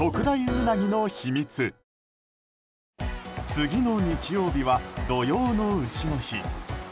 次の日曜日は土用の丑の日。